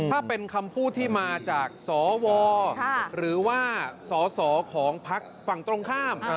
ถ้าเป็นคำพูดที่มาจากสวหรือว่าสอสอของพักฝั่งตรงข้าม